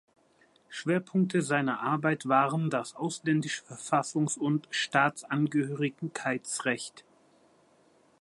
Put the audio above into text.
Schwerpunkte seiner Arbeit waren das ausländische Verfassungs- und Staatsangehörigkeitsrecht.